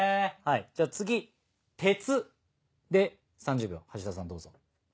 じゃあ次「鉄」で３０秒林田さんどうぞ。